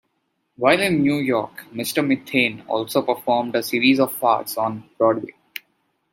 While in New York, Mr Methane also performed a series of farts on Broadway.